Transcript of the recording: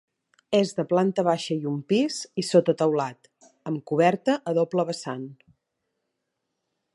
És de planta baixa i un pis i sota teulat, amb coberta a doble vessant.